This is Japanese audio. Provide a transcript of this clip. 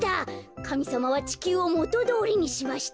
かみさまはちきゅうをもとどおりにしました。